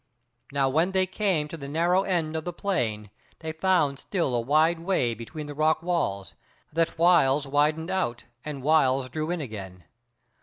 Now when they came to the narrow end of the plain they found still a wide way between the rock walls, that whiles widened out, and whiles drew in again.